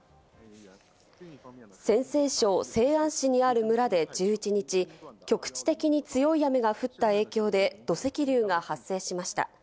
陝西省西安市にある村で１１日、局地的に強い雨が降った影響で土石流が発生しました。